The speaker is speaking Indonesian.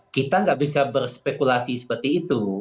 kita nggak bisa berspekulasi seperti itu